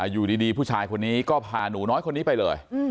อยู่ดีผู้ชายคนนี้ก็พาหนูน้อยคนนี้ไปเลย